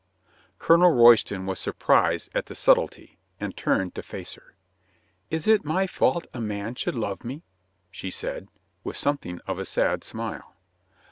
Colonel Royston was sur prised at the subtlety, and turned to face her. "Is it my fault a man should love me?" she said, with something of a sad smile.